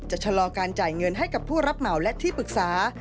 ชะลอการจ่ายเงินให้กับผู้รับเหมาและที่ปรึกษา